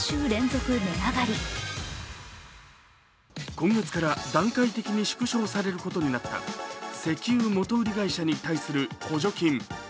今月から段階的に縮小されることになった石油元売り会社に対する補助金。